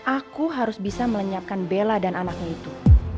aku harus bisa melenyapkan bella dan anaknya itu